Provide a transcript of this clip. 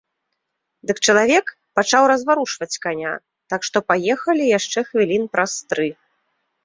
Дык чалавек пачаў разварушваць каня, так што паехалі яшчэ хвілін праз тры.